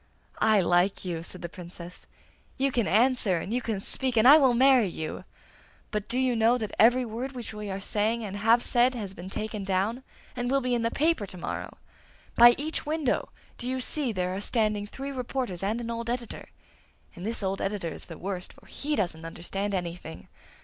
'I like you!' said the Princess. 'You can answer, and you can speak, and I will marry you; but do you know that every word which we are saying and have said has been taken down and will be in the paper to morrow? By each window do you see there are standing three reporters and an old editor, and this old editor is the worst, for he doesn't understand anything!